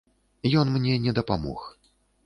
Ён мне не дапамог.